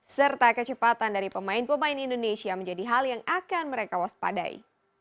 serta kecepatan dari pemain pemain indonesia menjadi hal yang akan mereka waspadai